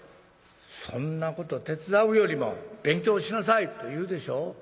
そんなこと手伝うよりも勉強しなさいと言うでしょ。